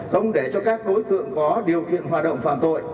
không để cho các đối tượng có điều kiện hoạt động phạm tội